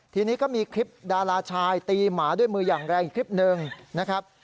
ทีนี้ก็มีคลิปดาราชายตีหมาด้วยมืออย่างแรงอีกคลิปหนึ่งนะครับ